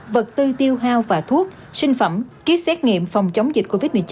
vật tư tiêu hao và thuốc sinh phẩm ký xét nghiệm phòng chống dịch covid một mươi chín